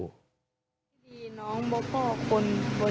สวัสดีครับแม่ก่อน